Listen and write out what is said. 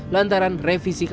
lantaran revisi kuhp baru jadinya